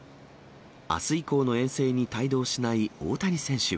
あす以降の遠征に帯同しない大谷選手。